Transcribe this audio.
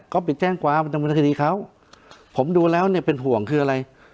ก็ไปแจ้งความดำเนินคดีเขาผมดูแล้วเนี่ยเป็นห่วงคืออะไร